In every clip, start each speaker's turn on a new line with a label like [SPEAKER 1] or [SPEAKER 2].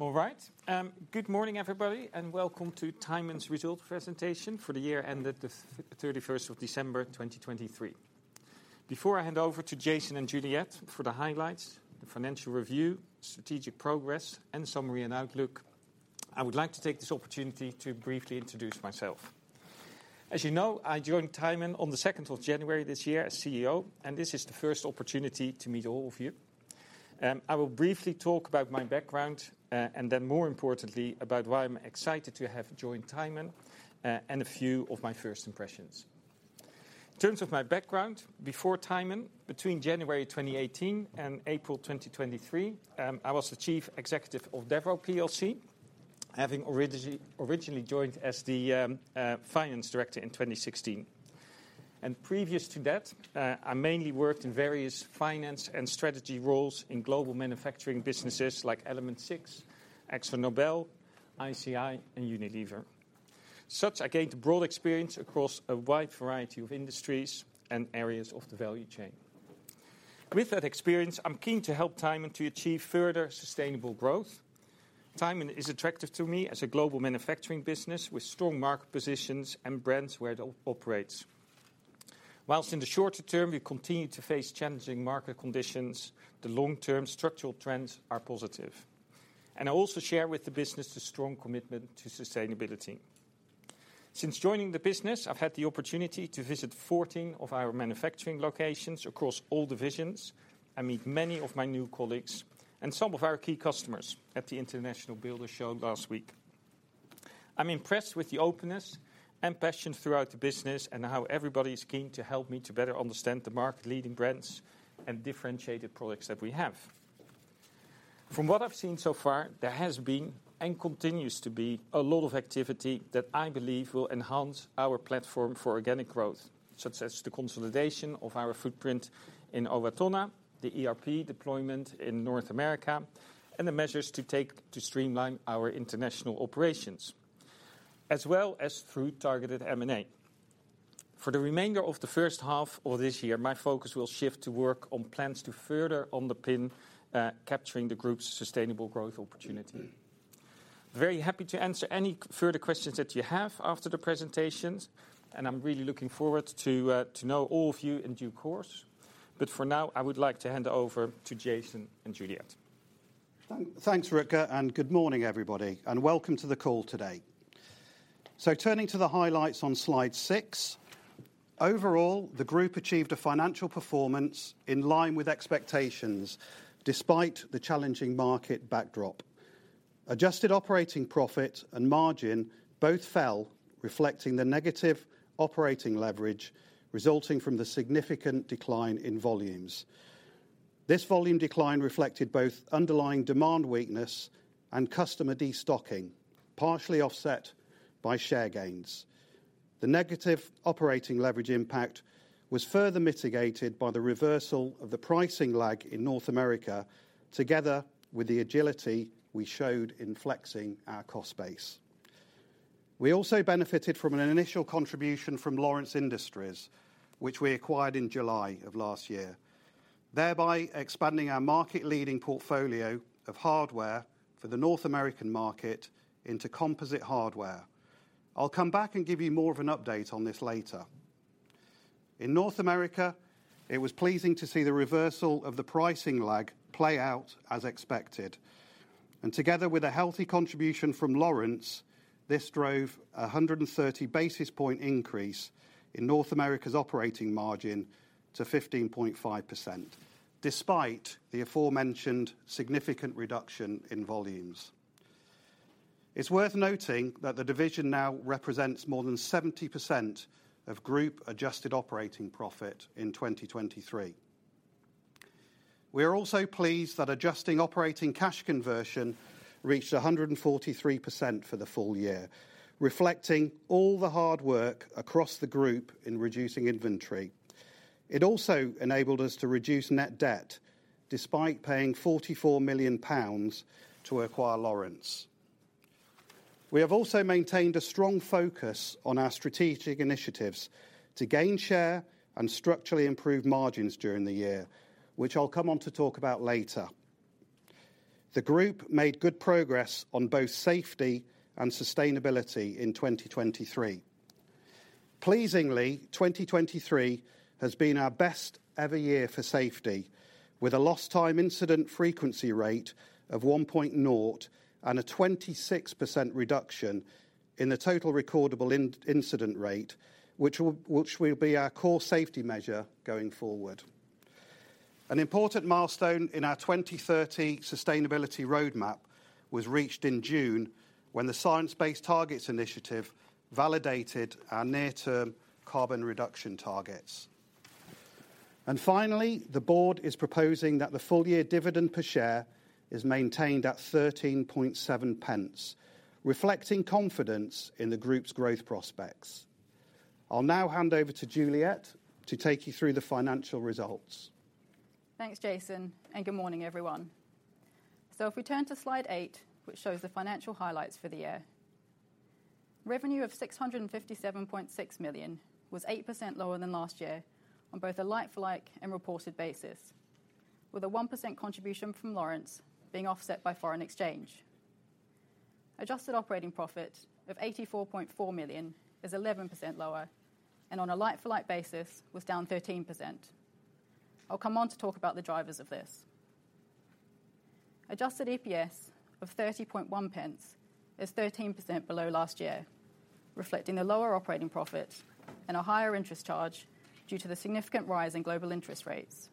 [SPEAKER 1] All right, good morning everybody and welcome to Tyman's results presentation for the year ended the 31st of December 2023. Before I hand over to Jason and Juliette for the highlights, the financial review, strategic progress, and summary and outlook, I would like to take this opportunity to briefly introduce myself. As you know, I joined Tyman on the 2nd of January this year as CEO, and this is the first opportunity to meet all of you. I will briefly talk about my background, and then more importantly about why I'm excited to have joined Tyman, and a few of my first impressions. In terms of my background, before Tyman, between January 2018 and April 2023, I was the Chief Executive of Devro plc, having originally joined as the Finance Director in 2016. Previous to that, I mainly worked in various finance and strategy roles in global manufacturing businesses like Element Six, ExxonMobil, ICI, and Unilever. As such, I gained a broad experience across a wide variety of industries and areas of the value chain. With that experience, I'm keen to help Tyman to achieve further sustainable growth. Tyman is attractive to me as a global manufacturing business with strong market positions and brands where it operates. While in the shorter term we continue to face challenging market conditions, the long-term structural trends are positive. And I also share with the business the strong commitment to sustainability. Since joining the business, I've had the opportunity to visit 14 of our manufacturing locations across all divisions and meet many of my new colleagues and some of our key customers at the International Builders' Show last week. I'm impressed with the openness and passion throughout the business and how everybody is keen to help me to better understand the market-leading brands and differentiated products that we have. From what I've seen so far, there has been and continues to be a lot of activity that I believe will enhance our platform for organic growth, such as the consolidation of our footprint in Owatonna, the ERP deployment in North America, and the measures to take to streamline our international operations, as well as through targeted M&A. For the remainder of the first half of this year, my focus will shift to work on plans to further underpin, capturing the group's sustainable growth opportunity. Very happy to answer any further questions that you have after the presentations, and I'm really looking forward to, to know all of you in due course. But for now, I would like to hand over to Jason and Juliette.
[SPEAKER 2] Thanks, Rutger, and good morning everybody, and welcome to the call today. Turning to the highlights on slide six, overall the group achieved a financial performance in line with expectations despite the challenging market backdrop. Adjusted operating profit and margin both fell, reflecting the negative operating leverage resulting from the significant decline in volumes. This volume decline reflected both underlying demand weakness and customer destocking, partially offset by share gains. The negative operating leverage impact was further mitigated by the reversal of the pricing lag in North America together with the agility we showed in flexing our cost base. We also benefited from an initial contribution from Lawrence Industries, which we acquired in July of last year, thereby expanding our market-leading portfolio of hardware for the North American market into composite hardware. I'll come back and give you more of an update on this later. In North America, it was pleasing to see the reversal of the pricing lag play out as expected. Together with a healthy contribution from Lawrence, this drove a 130 basis point increase in North America's operating margin to 15.5%, despite the aforementioned significant reduction in volumes. It's worth noting that the division now represents more than 70% of group adjusted operating profit in 2023. We are also pleased that adjusting operating cash conversion reached 143% for the full year, reflecting all the hard work across the group in reducing inventory. It also enabled us to reduce net debt despite paying 44 million pounds to acquire Lawrence. We have also maintained a strong focus on our strategic initiatives to gain share and structurally improve margins during the year, which I'll come on to talk about later. The group made good progress on both safety and sustainability in 2023. Pleasingly, 2023 has been our best-ever year for safety, with a Lost Time Incident Frequency Rate of 1.0 and a 26% reduction in the Total Recordable Incident Rate, which will be our core safety measure going forward. An important milestone in our 2030 sustainability roadmap was reached in June when the Science Based Targets initiative validated our near-term carbon reduction targets. Finally, the board is proposing that the full-year dividend per share is maintained at 0.137, reflecting confidence in the group's growth prospects. I'll now hand over to Juliette to take you through the financial results.
[SPEAKER 3] Thanks, Jason, and good morning everyone. So if we turn to slide eight, which shows the financial highlights for the year. Revenue of 657.6 million was 8% lower than last year on both a like-for-like and reported basis, with a 1% contribution from Lawrence being offset by foreign exchange. Adjusted operating profit of 84.4 million is 11% lower and on a like-for-like basis was down 13%. I'll come on to talk about the drivers of this. Adjusted EPS of 0.301 is 13% below last year, reflecting a lower operating profit and a higher interest charge due to the significant rise in global interest rates.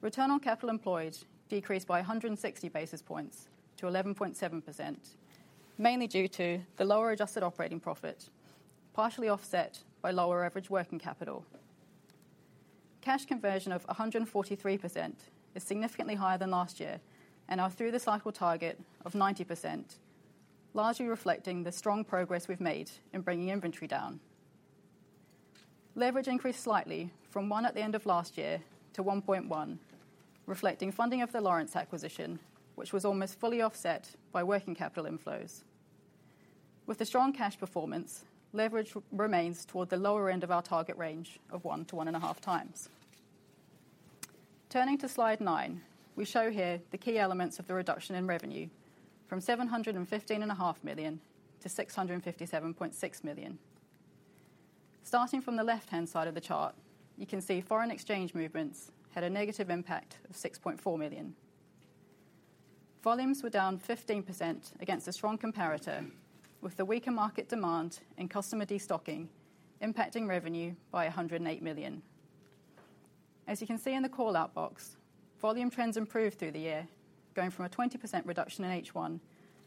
[SPEAKER 3] Return on capital employed decreased by 160 basis points to 11.7%, mainly due to the lower adjusted operating profit, partially offset by lower average working capital. Cash conversion of 143% is significantly higher than last year and our through-the-cycle target of 90%, largely reflecting the strong progress we've made in bringing inventory down. Leverage increased slightly from 1x at the end of last year to 1.1x, reflecting funding of the Lawrence acquisition, which was almost fully offset by working capital inflows. With the strong cash performance, leverage remains toward the lower end of our target range of 1x-1.5x. Turning to slide nine, we show here the key elements of the reduction in revenue from 715.5 million to 657.6 million. Starting from the left-hand side of the chart, you can see foreign exchange movements had a negative impact of 6.4 million. Volumes were down 15% against a strong comparator, with the weaker market demand and customer destocking impacting revenue by 108 million. As you can see in the call-out box, volume trends improved through the year, going from a 20% reduction in H1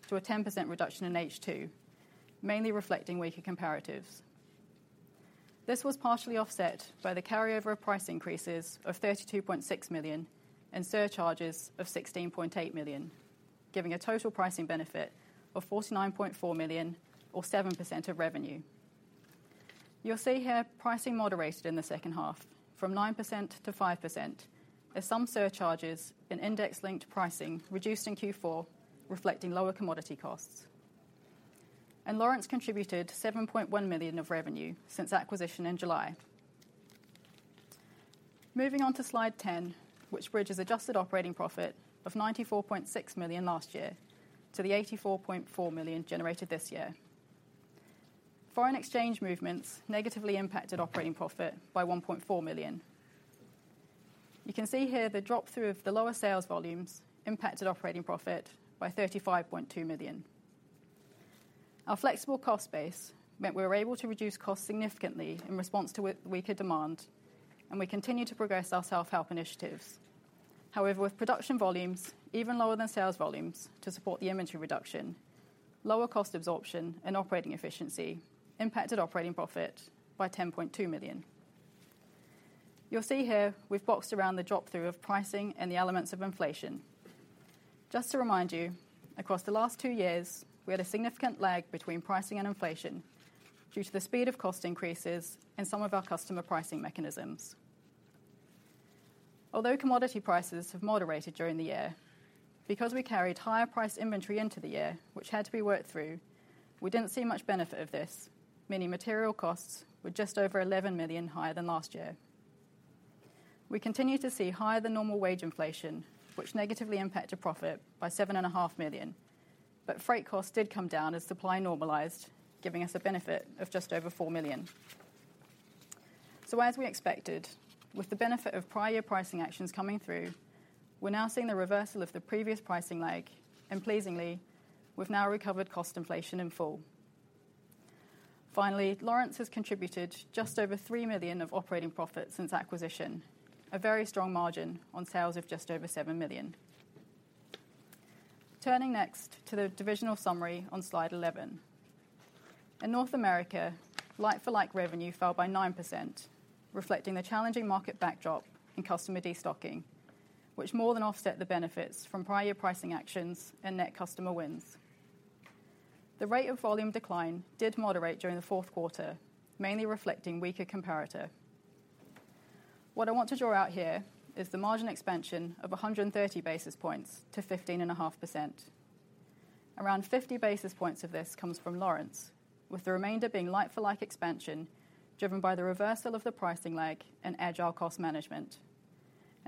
[SPEAKER 3] to a 10% reduction in H2, mainly reflecting weaker comparatives. This was partially offset by the carryover of price increases of 32.6 million and surcharges of 16.8 million, giving a total pricing benefit of 49.4 million, or 7% of revenue. You'll see here pricing moderated in the second half from 9%-5%, as some surcharges and index-linked pricing reduced in Q4, reflecting lower commodity costs. Lawrence contributed 7.1 million of revenue since acquisition in July. Moving on to slide 10, which bridges adjusted operating profit of 94.6 million last year to the 84.4 million generated this year. Foreign exchange movements negatively impacted operating profit by 1.4 million. You can see here the drop through of the lower sales volumes impacted operating profit by 35.2 million. Our flexible cost base meant we were able to reduce costs significantly in response to weaker demand, and we continue to progress our self-help initiatives. However, with production volumes even lower than sales volumes to support the inventory reduction, lower cost absorption and operating efficiency impacted operating profit by 10.2 million. You'll see here we've boxed around the drop through of pricing and the elements of inflation. Just to remind you, across the last two years we had a significant lag between pricing and inflation due to the speed of cost increases and some of our customer pricing mechanisms. Although commodity prices have moderated during the year, because we carried higher-priced inventory into the year, which had to be worked through, we didn't see much benefit of this, meaning material costs were just over 11 million higher than last year. We continue to see higher-than-normal wage inflation, which negatively impacted profit by 7.5 million, but freight costs did come down as supply normalized, giving us a benefit of just over 4 million. So as we expected, with the benefit of prior year pricing actions coming through, we're now seeing the reversal of the previous pricing lag and, pleasingly, we've now recovered cost inflation in full. Finally, Lawrence has contributed just over 3 million of operating profit since acquisition, a very strong margin on sales of just over 7 million. Turning next to the divisional summary on slide 11. In North America, like-for-like revenue fell by 9%, reflecting the challenging market backdrop and customer destocking, which more than offset the benefits from prior year pricing actions and net customer wins. The rate of volume decline did moderate during the fourth quarter, mainly reflecting weaker comparator. What I want to draw out here is the margin expansion of 130 basis points to 15.5%. Around 50 basis points of this comes from Lawrence, with the remainder being like-for-like expansion driven by the reversal of the pricing lag and agile cost management.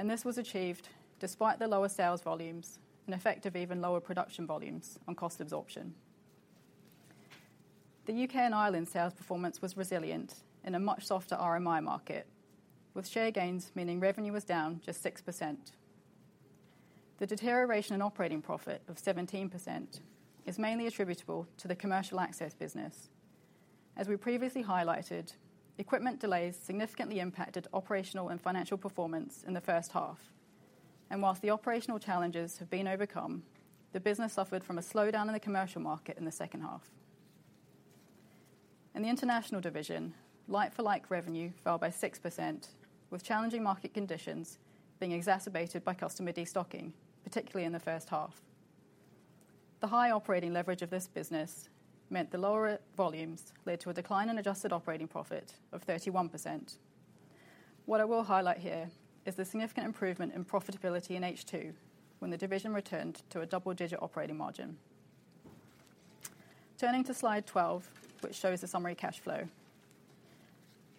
[SPEAKER 3] This was achieved despite the lower sales volumes and effective even lower production volumes on cost absorption. The UK and Ireland sales performance was resilient in a much softer RMI market, with share gains meaning revenue was down just 6%. The deterioration in operating profit of 17% is mainly attributable to the commercial access business. As we previously highlighted, equipment delays significantly impacted operational and financial performance in the first half, and while the operational challenges have been overcome, the business suffered from a slowdown in the commercial market in the second half. In the international division, like-for-like revenue fell by 6%, with challenging market conditions being exacerbated by customer destocking, particularly in the first half. The high operating leverage of this business meant the lower volumes led to a decline in adjusted operating profit of 31%. What I will highlight here is the significant improvement in profitability in H2 when the division returned to a double-digit operating margin. Turning to slide 12, which shows the summary cash flow.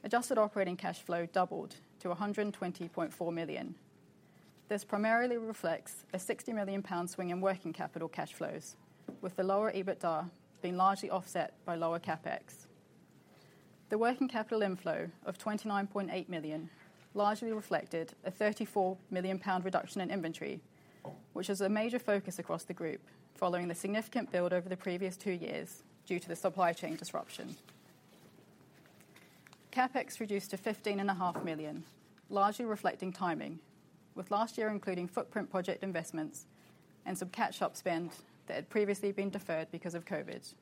[SPEAKER 3] Adjusted operating cash flow doubled to 120.4 million. This primarily reflects a 60 million pound swing in working capital cash flows, with the lower EBITDA being largely offset by lower CapEx. The working capital inflow of 29.8 million largely reflected a 34 million pound reduction in inventory, which was a major focus across the group following the significant build over the previous two years due to the supply chain disruption. CapEx reduced to 15.5 million, largely reflecting timing, with last year including footprint project investments and some catch-up spend that had previously been deferred because of COVID.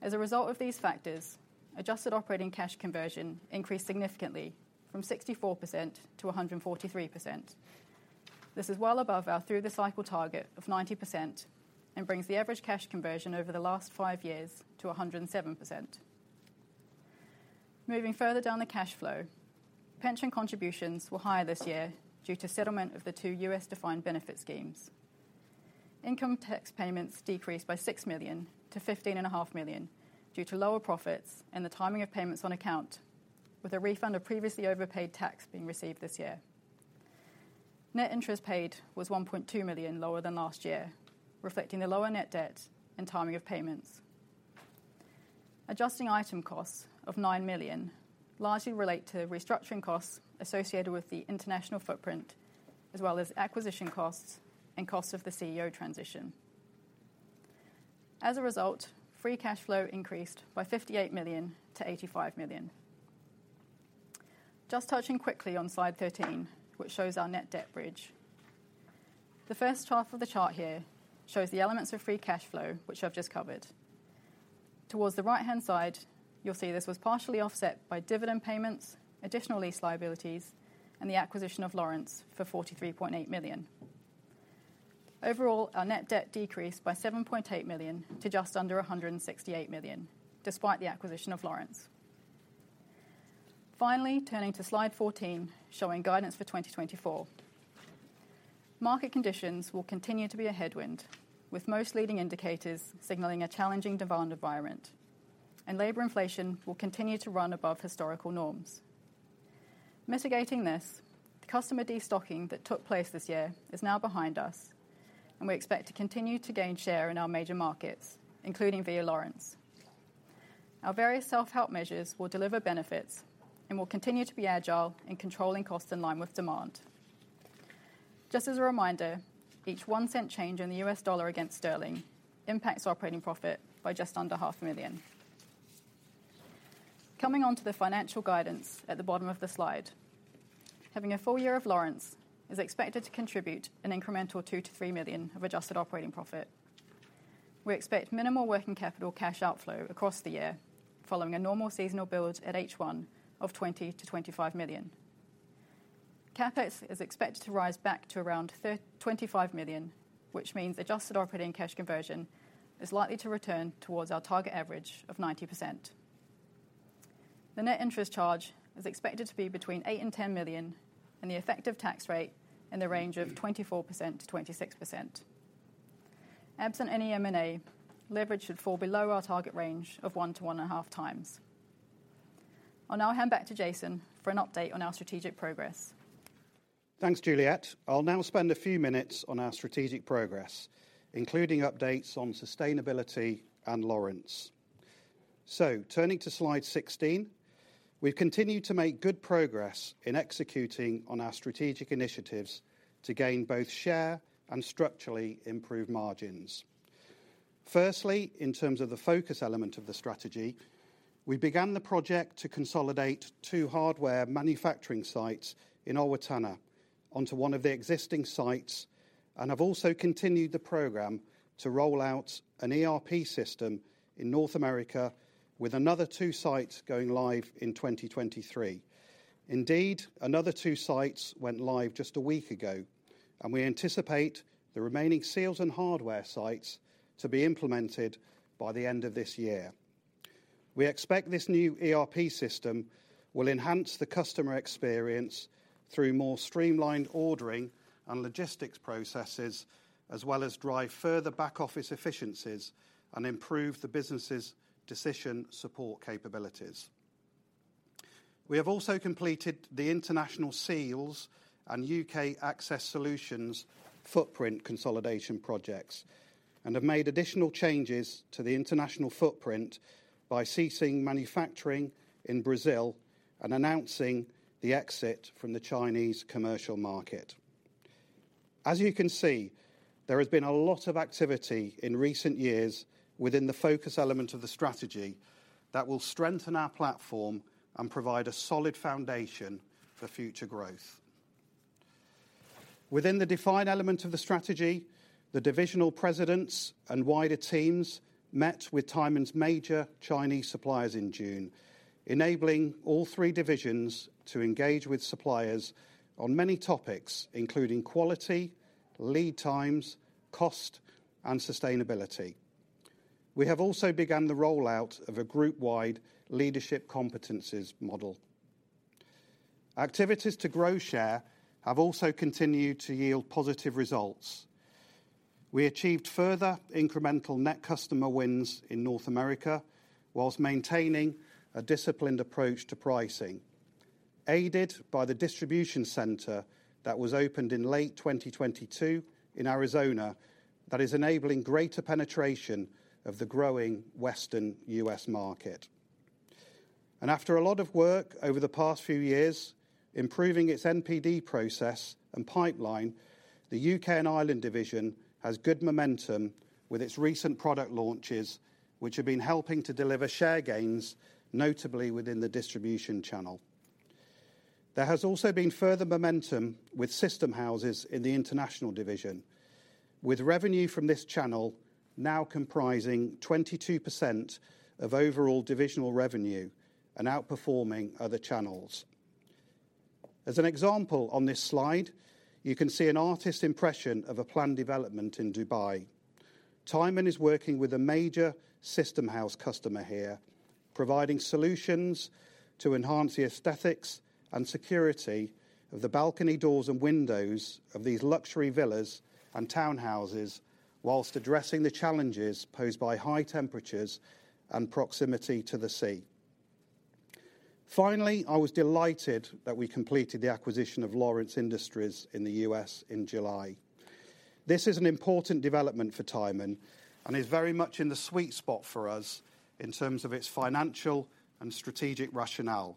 [SPEAKER 3] As a result of these factors, adjusted operating cash conversion increased significantly from 64%-143%. This is well above our through-the-cycle target of 90% and brings the average cash conversion over the last five years to 107%. Moving further down the cash flow, pension contributions were higher this year due to settlement of the two U.S.-defined benefit schemes. Income tax payments decreased by 6 million to 15.5 million due to lower profits and the timing of payments on account, with a refund of previously overpaid tax being received this year. Net interest paid was 1.2 million lower than last year, reflecting the lower net debt and timing of payments. Adjusting item costs of 9 million largely relate to restructuring costs associated with the international footprint, as well as acquisition costs and costs of the CEO transition. As a result, free cash flow increased by 58 million to 85 million. Just touching quickly on slide 13, which shows our net debt bridge. The first half of the chart here shows the elements of free cash flow, which I've just covered. Towards the right-hand side, you'll see this was partially offset by dividend payments, additional lease liabilities, and the acquisition of Lawrence for 43.8 million. Overall, our net debt decreased by 7.8 million to just under 168 million, despite the acquisition of Lawrence. Finally, turning to slide 14, showing guidance for 2024. Market conditions will continue to be a headwind, with most leading indicators signaling a challenging demand environment, and labor inflation will continue to run above historical norms. Mitigating this, the customer destocking that took place this year is now behind us, and we expect to continue to gain share in our major markets, including via Lawrence. Our various self-help measures will deliver benefits and will continue to be agile in controlling costs in line with demand. Just as a reminder, each 1-cent change in the US dollar against sterling impacts operating profit by just under 0.5 million. Coming on to the financial guidance at the bottom of the slide. Having a full year of Lawrence is expected to contribute an incremental 2 million-3 million of adjusted operating profit. We expect minimal working capital cash outflow across the year, following a normal seasonal build at H1 of 20 million-25 million. CAPEX is expected to rise back to around 25 million, which means adjusted operating cash conversion is likely to return towards our target average of 90%. The net interest charge is expected to be between 8 million and 10 million, and the effective tax rate in the range of 24%-26%. Absent any M&A, leverage should fall below our target range of 1-1.5x. I'll now hand back to Jason for an update on our strategic progress.
[SPEAKER 2] Thanks, Juliette. I'll now spend a few minutes on our strategic progress, including updates on sustainability and Lawrence. So turning to slide 16, we've continued to make good progress in executing on our strategic initiatives to gain both share and structurally improve margins. Firstly, in terms of the focus element of the strategy, we began the project to consolidate 2 hardware manufacturing sites in Owatonna onto one of the existing sites, and have also continued the program to roll out an ERP system in North America, with another 2 sites going live in 2023. Indeed, another 2 sites went live just a week ago, and we anticipate the remaining seals and hardware sites to be implemented by the end of this year. We expect this new ERP system will enhance the customer experience through more streamlined ordering and logistics processes, as well as drive further back-office efficiencies and improve the business's decision support capabilities. We have also completed the International Seals and UK Access Solutions footprint consolidation projects and have made additional changes to the international footprint by ceasing manufacturing in Brazil and announcing the exit from the Chinese commercial market. As you can see, there has been a lot of activity in recent years within the focus element of the strategy that will strengthen our platform and provide a solid foundation for future growth. Within the defined element of the strategy, the divisional presidents and wider teams met with Tyman's major Chinese suppliers in June, enabling all three divisions to engage with suppliers on many topics, including quality, lead times, cost, and sustainability. We have also begun the rollout of a group-wide leadership competencies model. Activities to grow share have also continued to yield positive results. We achieved further incremental net customer wins in North America while maintaining a disciplined approach to pricing, aided by the distribution center that was opened in late 2022 in Arizona that is enabling greater penetration of the growing Western US market. After a lot of work over the past few years improving its NPD process and pipeline, the UK and Ireland division has good momentum with its recent product launches, which have been helping to deliver share gains, notably within the distribution channel. There has also been further momentum with system houses in the international division, with revenue from this channel now comprising 22% of overall divisional revenue and outperforming other channels. As an example on this slide, you can see an artist's impression of a planned development in Dubai. Tyman is working with a major system house customer here, providing solutions to enhance the aesthetics and security of the balcony doors and windows of these luxury villas and townhouses while addressing the challenges posed by high temperatures and proximity to the sea. Finally, I was delighted that we completed the acquisition of Lawrence Industries in the U.S. in July. This is an important development for Tyman and is very much in the sweet spot for us in terms of its financial and strategic rationale,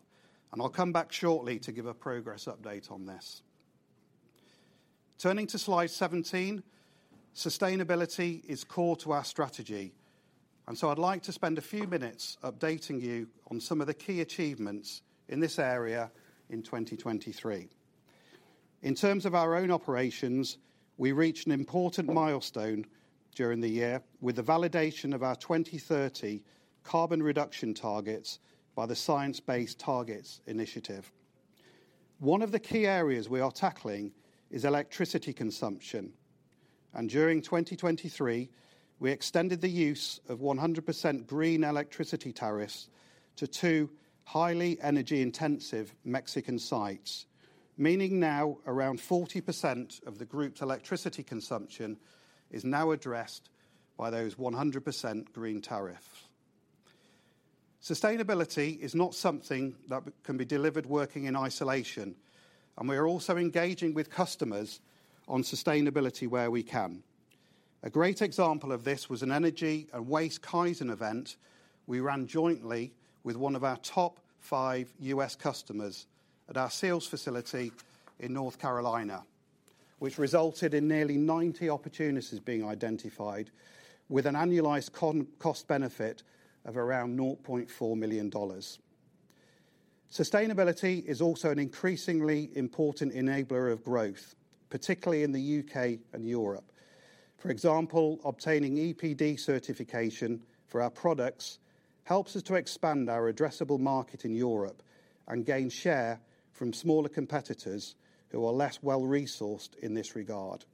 [SPEAKER 2] and I'll come back shortly to give a progress update on this. Turning to slide 17, sustainability is core to our strategy, and so I'd like to spend a few minutes updating you on some of the key achievements in this area in 2023. In terms of our own operations, we reached an important milestone during the year with the validation of our 2030 carbon reduction targets by the Science Based Targets Initiative. One of the key areas we are tackling is electricity consumption, and during 2023, we extended the use of 100% green electricity tariffs to two highly energy-intensive Mexican sites, meaning now around 40% of the group's electricity consumption is now addressed by those 100% green tariffs. Sustainability is not something that can be delivered working in isolation, and we are also engaging with customers on sustainability where we can. A great example of this was an energy and waste Kaizen event we ran jointly with one of our top five US customers at our sales facility in North Carolina, which resulted in nearly 90 opportunities being identified with an annualized cost benefit of around $0.4 million. Sustainability is also an increasingly important enabler of growth, particularly in the UK and Europe. For example, obtaining EPD certification for our products helps us to expand our addressable market in Europe and gain share from smaller competitors who are less well-resourced in this regard.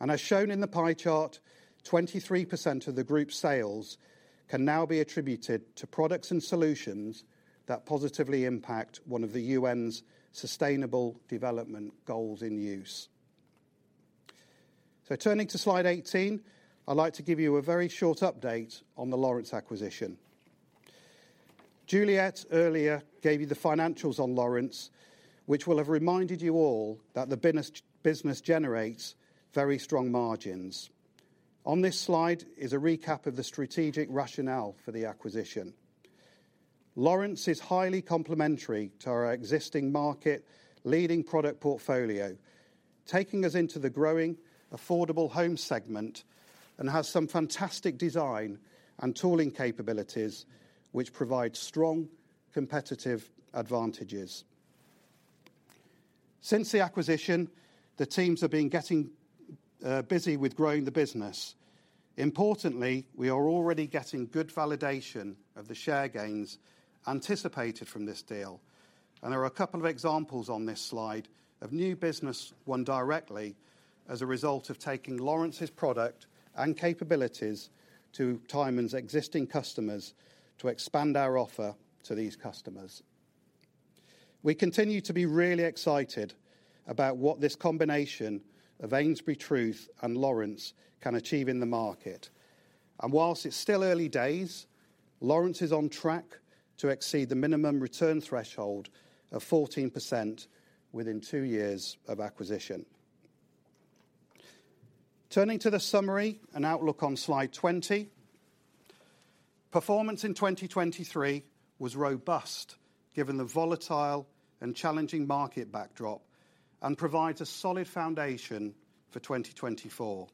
[SPEAKER 2] As shown in the pie chart, 23% of the group's sales can now be attributed to products and solutions that positively impact one of the UN's sustainable development goals in use. Turning to slide 18, I'd like to give you a very short update on the Lawrence acquisition. Juliette earlier gave you the financials on Lawrence, which will have reminded you all that the business generates very strong margins. On this slide is a recap of the strategic rationale for the acquisition. Lawrence is highly complementary to our existing market leading product portfolio, taking us into the growing affordable home segment and has some fantastic design and tooling capabilities, which provide strong competitive advantages. Since the acquisition, the teams have been getting busy with growing the business. Importantly, we are already getting good validation of the share gains anticipated from this deal. There are a couple of examples on this slide of new business won directly as a result of taking Lawrence's product and capabilities to Tyman's existing customers to expand our offer to these customers. We continue to be really excited about what this combination of AmesburyTruth and Lawrence can achieve in the market. While it's still early days, Lawrence is on track to exceed the minimum return threshold of 14% within two years of acquisition. Turning to the summary and outlook on slide 20, performance in 2023 was robust given the volatile and challenging market backdrop and provides a solid foundation for 2024.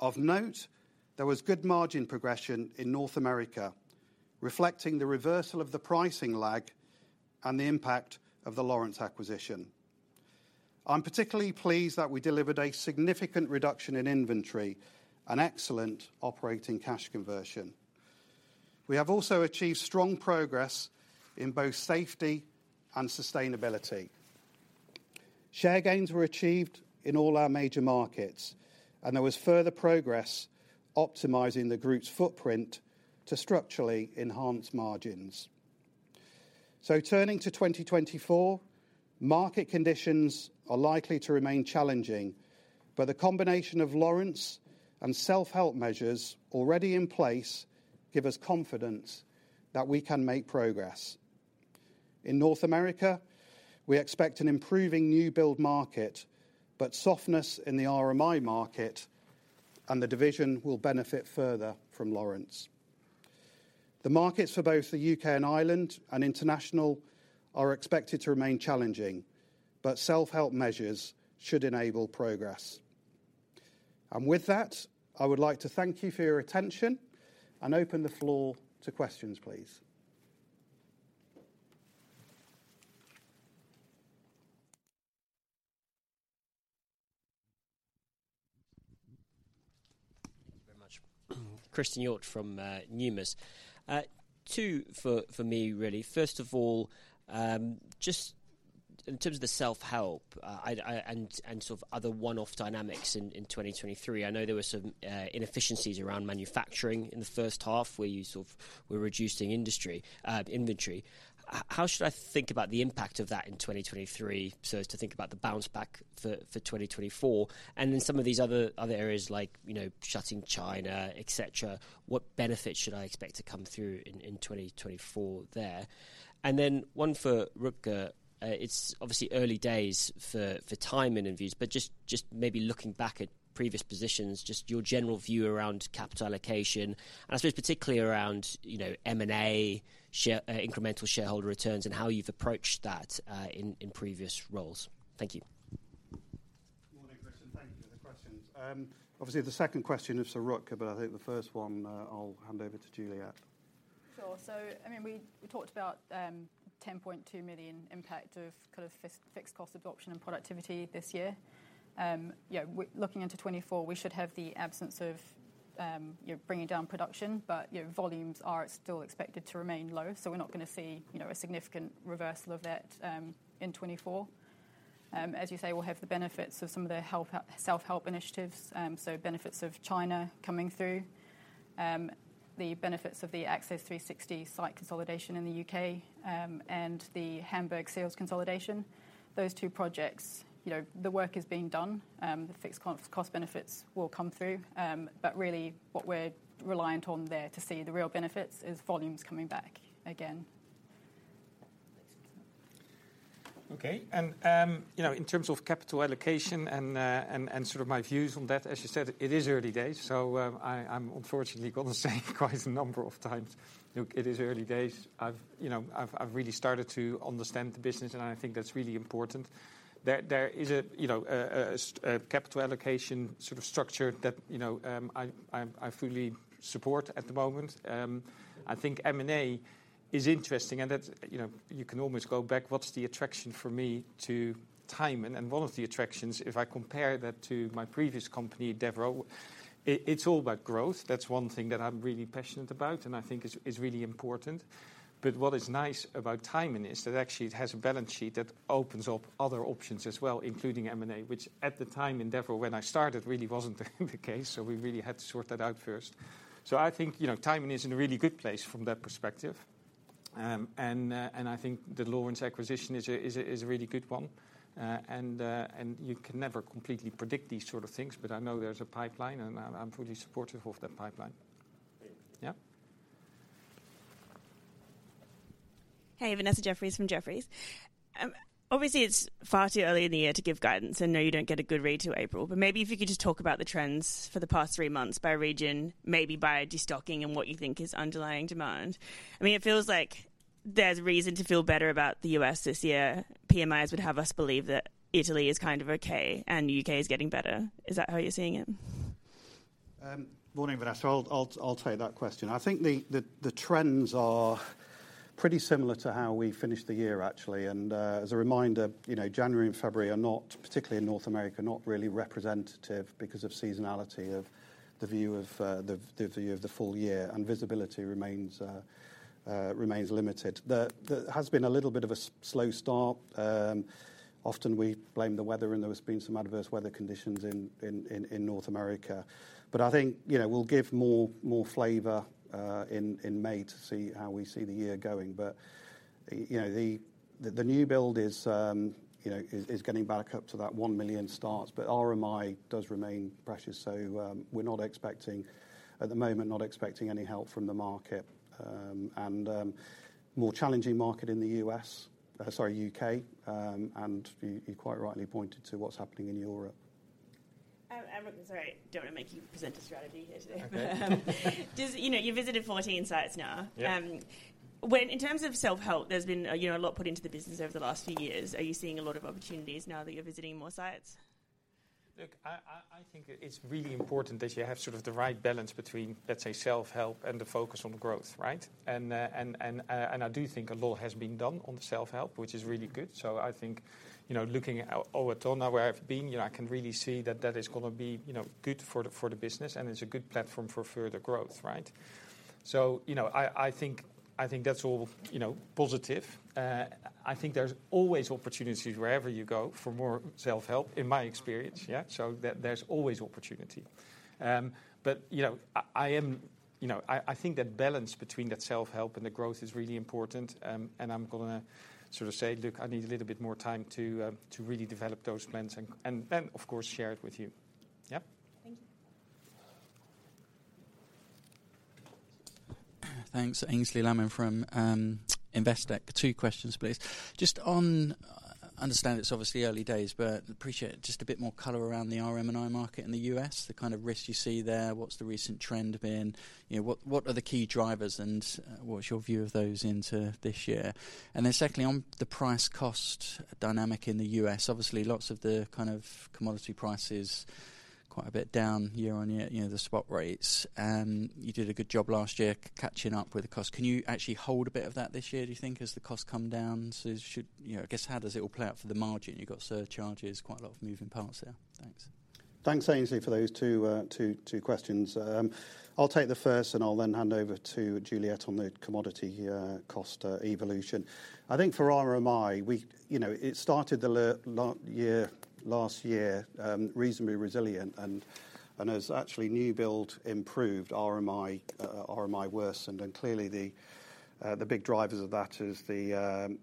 [SPEAKER 2] Of note, there was good margin progression in North America, reflecting the reversal of the pricing lag and the impact of the Lawrence acquisition. I'm particularly pleased that we delivered a significant reduction in inventory and excellent operating cash conversion. We have also achieved strong progress in both safety and sustainability. Share gains were achieved in all our major markets, and there was further progress optimizing the group's footprint to structurally enhance margins. So turning to 2024, market conditions are likely to remain challenging, but the combination of Lawrence and self-help measures already in place give us confidence that we can make progress. In North America, we expect an improving new build market, but softness in the RMI market and the division will benefit further from Lawrence. The markets for both the UK and Ireland and international are expected to remain challenging, but self-help measures should enable progress. With that, I would like to thank you for your attention and open the floor to questions, please.
[SPEAKER 4] Thank you very much. Christen Hjorth from Numis. Two for me, really. First of all, just in terms of the self-help and sort of other one-off dynamics in 2023, I know there were some inefficiencies around manufacturing in the first half where you sort of were reducing inventory. How should I think about the impact of that in 2023, so as to think about the bounce back for 2024, and then some of these other areas like shutting China, etc.? What benefits should I expect to come through in 2024 there? And then one for Rutger, it's obviously early days for Tyman and views, but just maybe looking back at previous positions, just your general view around capital allocation, and I suppose particularly around M&A, incremental shareholder returns, and how you've approached that in previous roles. Thank you.
[SPEAKER 1] Morning, Christian. Thank you for the questions. Obviously, the second question is for Rutger, but I think the first one I'll hand over to Juliette.
[SPEAKER 3] Sure. So, I mean, we talked about 10.2 million impact of kind of fixed cost adoption and productivity this year. Looking into 2024, we should have the absence of bringing down production, but volumes are still expected to remain low, so we're not going to see a significant reversal of that in 2024. As you say, we'll have the benefits of some of the self-help initiatives, so benefits of China coming through, the benefits of the Access 360 site consolidation in the U.K., and the Hamburg sales consolidation. Those two projects, the work is being done. The fixed cost benefits will come through, but really what we're reliant on there to see the real benefits is volumes coming back again.
[SPEAKER 1] Okay. In terms of capital allocation and sort of my views on that, as you said, it is early days, so I'm unfortunately going to say quite a number of times, look, it is early days. I've really started to understand the business, and I think that's really important. There is a capital allocation sort of structure that I fully support at the moment. I think M&A is interesting, and you can always go back, what's the attraction for me to Tyman? And one of the attractions, if I compare that to my previous company, Devro, it's all about growth. That's one thing that I'm really passionate about and I think is really important. But what is nice about Tyman is that actually it has a balance sheet that opens up other options as well, including M&A, which at the time in Devro when I started really wasn't the case, so we really had to sort that out first. So I think Tyman is in a really good place from that perspective. And I think the Lawrence acquisition is a really good one. And you can never completely predict these sort of things, but I know there's a pipeline, and I'm fully supportive of that pipeline. Yeah.
[SPEAKER 5] Hey, Vanessa Jefferies from Jefferies. Obviously, it's far too early in the year to give guidance, and no, you don't get a good read to April, but maybe if you could just talk about the trends for the past three months by region, maybe by destocking and what you think is underlying demand. I mean, it feels like there's reason to feel better about the U.S. this year. PMIs would have us believe that Italy is kind of okay and the U.K. is getting better. Is that how you're seeing it?
[SPEAKER 2] Morning, Vanessa. I'll take that question. I think the trends are pretty similar to how we finished the year, actually. And as a reminder, January and February are not, particularly in North America, not really representative because of seasonality, of the view of the full year, and visibility remains limited. There has been a little bit of a slow start. Often we blame the weather, and there has been some adverse weather conditions in North America. But I think we'll give more flavor in May to see how we see the year going. But the new build is getting back up to that 1 million starts, but RMI does remain precious, so we're not expecting, at the moment, not expecting any help from the market. And more challenging market in the U.S., sorry, U.K., and you quite rightly pointed to what's happening in Europe.
[SPEAKER 5] Sorry, I don't want to make you present a strategy here today. You visited 14 sites now. In terms of self-help, there's been a lot put into the business over the last few years. Are you seeing a lot of opportunities now that you're visiting more sites?
[SPEAKER 1] Look, I think it's really important that you have sort of the right balance between, let's say, self-help and the focus on growth, right? And I do think a lot has been done on the self-help, which is really good. So I think looking at Owatonna, where I've been, I can really see that that is going to be good for the business, and it's a good platform for further growth, right? So I think there's always opportunities wherever you go for more self-help, in my experience, yeah? So there's always opportunity. But I think that balance between that self-help and the growth is really important, and I'm going to sort of say, look, I need a little bit more time to really develop those plans and then, of course, share it with you. Yeah?
[SPEAKER 5] Thank you.
[SPEAKER 6] Thanks. Ainsley Lammin from Investec. Two questions, please. Just on, I understand it's obviously early days, but appreciate just a bit more color around the RM&I market in the US, the kind of risk you see there, what's the recent trend been, what are the key drivers, and what's your view of those into this year? And then secondly, on the price-cost dynamic in the US, obviously, lots of the kind of commodity prices quite a bit down year on year, the spot rates. You did a good job last year catching up with the cost. Can you actually hold a bit of that this year, do you think, as the costs come down? I guess how does it all play out for the margin? You've got surcharges, quite a lot of moving parts there. Thanks.
[SPEAKER 2] Thanks, Ainsley, for those 2 questions. I'll take the first, and I'll then hand over to Juliette on the commodity cost evolution. I think for RMI, it started the year last year reasonably resilient, and as actually new build improved, RMI worsened. And clearly, the big drivers of that is the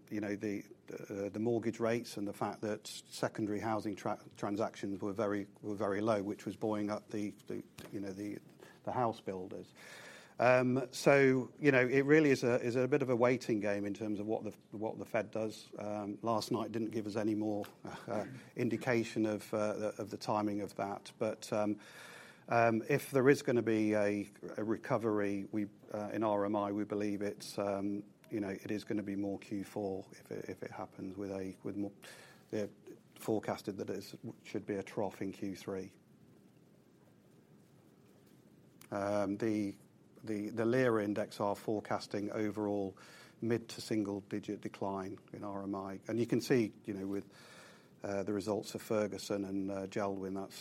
[SPEAKER 2] mortgage rates and the fact that secondary housing transactions were very low, which was buoying up the house builders. So it really is a bit of a waiting game in terms of what the Fed does. Last night didn't give us any more indication of the timing of that. But if there is going to be a recovery in RMI, we believe it is going to be more Q4 if it happens with more. They're forecasting that it should be a trough in Q3. The LIRA index are forecasting overall mid- to single-digit decline in RMI. You can see with the results of Ferguson and JELD-WEN, that's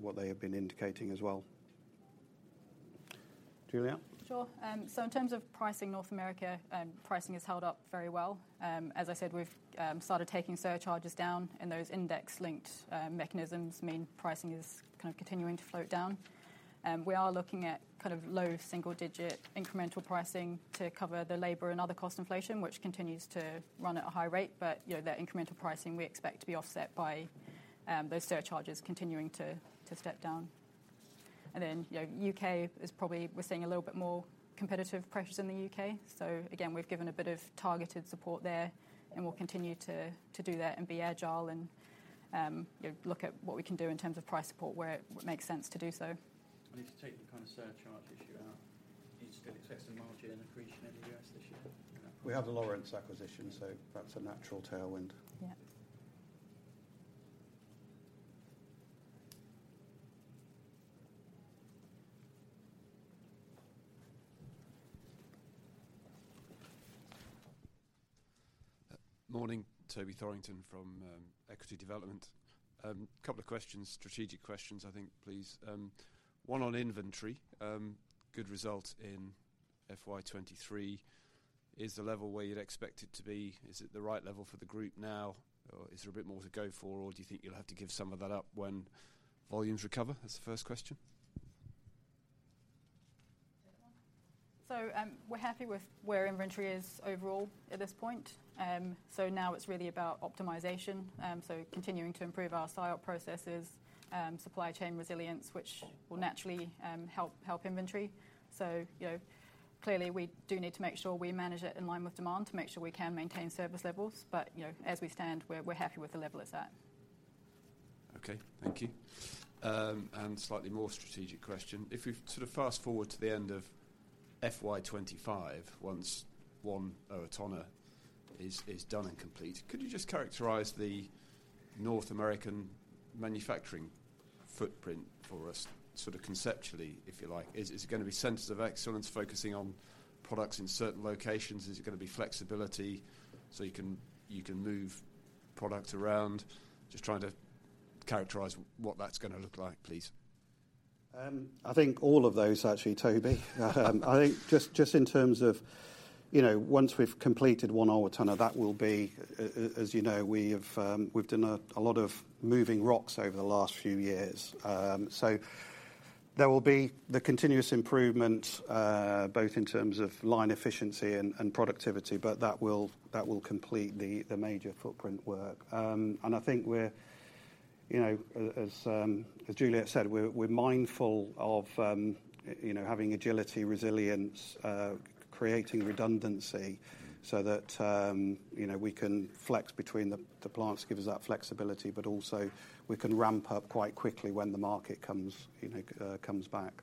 [SPEAKER 2] what they have been indicating as well. Juliette?
[SPEAKER 3] Sure. So in terms of pricing North America, pricing has held up very well. As I said, we've started taking surcharges down, and those index-linked mechanisms mean pricing is kind of continuing to float down. We are looking at kind of low single-digit incremental pricing to cover the labor and other cost inflation, which continues to run at a high rate, but that incremental pricing we expect to be offset by those surcharges continuing to step down. And then UK is probably we're seeing a little bit more competitive pressures in the UK. So again, we've given a bit of targeted support there, and we'll continue to do that and be agile and look at what we can do in terms of price support where it makes sense to do so.
[SPEAKER 6] If you take the kind of surcharge issue out, are you still expecting margin accretion in the U.S. this year?
[SPEAKER 2] We have a Lawrence acquisition, so that's a natural tailwind.
[SPEAKER 3] Yeah.
[SPEAKER 7] Morning, Toby Thorrington from Equity Development. Couple of questions, strategic questions, I think, please. One on inventory. Good results in FY23. Is the level where you'd expect it to be? Is it the right level for the group now, or is there a bit more to go for, or do you think you'll have to give some of that up when volumes recover? That's the first question.
[SPEAKER 3] So we're happy with where inventory is overall at this point. So now it's really about optimization, so continuing to improve our silo processes, supply chain resilience, which will naturally help inventory. So clearly, we do need to make sure we manage it in line with demand to make sure we can maintain service levels, but as we stand, we're happy with the level it's at.
[SPEAKER 7] Okay. Thank you. And slightly more strategic question. If we sort of fast-forward to the end of FY25, once Owatonna is done and complete, could you just characterize the North American manufacturing footprint for us, sort of conceptually, if you like? Is it going to be centers of excellence focusing on products in certain locations? Is it going to be flexibility so you can move products around? Just trying to characterize what that's going to look like, please.
[SPEAKER 2] I think all of those, actually, Toby. I think just in terms of once we've completed one Owatonna, that will be as you know, we've done a lot of moving rocks over the last few years. So there will be the continuous improvement both in terms of line efficiency and productivity, but that will complete the major footprint work. And I think we're, as Juliette said, we're mindful of having agility, resilience, creating redundancy so that we can flex between the plants, give us that flexibility, but also we can ramp up quite quickly when the market comes back.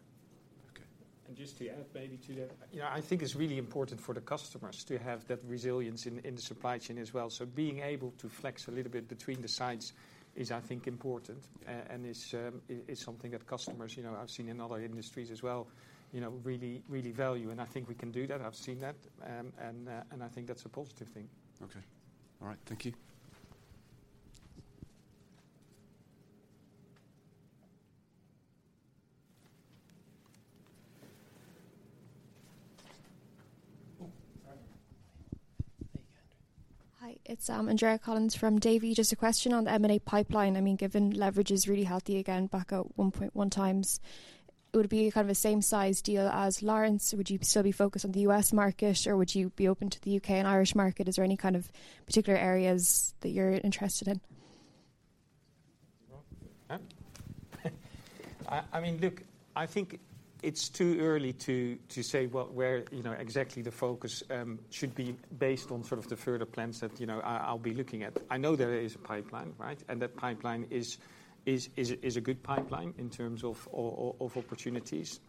[SPEAKER 7] Okay.
[SPEAKER 1] And just to add maybe to that, I think it's really important for the customers to have that resilience in the supply chain as well. So being able to flex a little bit between the sites is, I think, important and is something that customers I've seen in other industries as well really value. And I think we can do that. I've seen that. And I think that's a positive thing.
[SPEAKER 7] Okay. All right. Thank you.
[SPEAKER 8] Hi. It's Andrea Collins from Davy. Just a question on the M&A pipeline. I mean, given leverage is really healthy again, back at 1.1x, it would be kind of a same-size deal as Lawrence. Would you still be focused on the U.S. market, or would you be open to the U.K. and Irish market? Is there any kind of particular areas that you're interested in?
[SPEAKER 1] I mean, look, I think it's too early to say where exactly the focus should be based on sort of the further plans that I'll be looking at. I know there is a pipeline, right? And that pipeline is a good pipeline in terms of opportunities.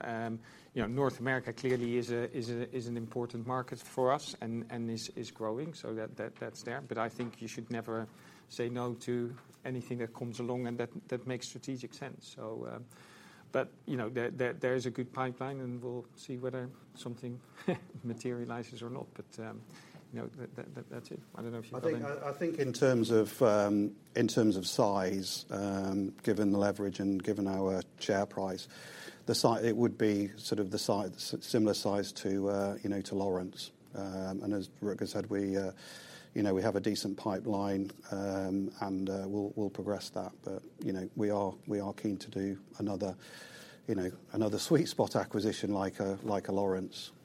[SPEAKER 1] North America clearly is an important market for us and is growing, so that's there. But I think you should never say no to anything that comes along and that makes strategic sense. But there is a good pipeline, and we'll see whether something materializes or not. But that's it. I don't know if you've got anything.
[SPEAKER 2] I think in terms of size, given the leverage and given our share price, it would be sort of similar size to Lawrence. And as Rutger has said, we have a decent pipeline, and we'll progress that. But we are keen to do another sweet spot acquisition like a Lawrence.
[SPEAKER 9] If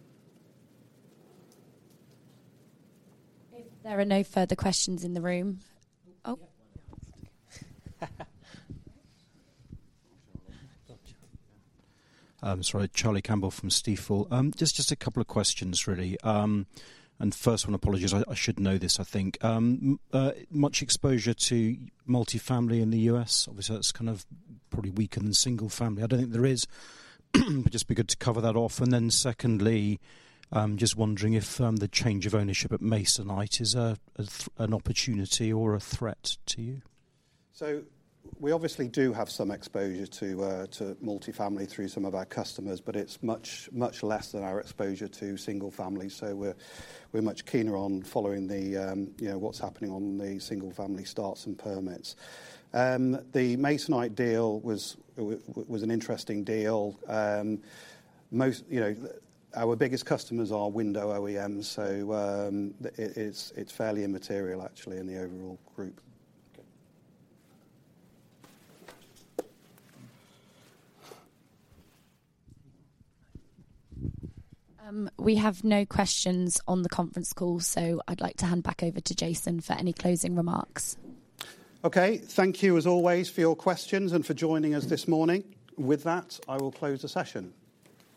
[SPEAKER 9] there are no further questions in the room, oh, yeah.
[SPEAKER 10] Sorry. Charlie Campbell from Stifel. Just a couple of questions, really. First one, apologies. I should know this, I think. Much exposure to multifamily in the U.S. Obviously, that's kind of probably weaker than single-family. I don't think there is, but just be good to cover that off. And then secondly, just wondering if the change of ownership at Masonite is an opportunity or a threat to you?
[SPEAKER 2] So we obviously do have some exposure to multifamily through some of our customers, but it's much less than our exposure to single-family. We're much keener on following what's happening on the single-family starts and permits. The Masonite deal was an interesting deal. Our biggest customers are window OEMs, so it's fairly immaterial, actually, in the overall group.
[SPEAKER 10] Okay.
[SPEAKER 9] We have no questions on the conference call, so I'd like to hand back over to Jason for any closing remarks.
[SPEAKER 2] Okay. Thank you, as always, for your questions and for joining us this morning. With that, I will close the session.